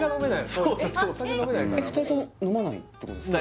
そうだそうだ２人とも飲まないってことですか？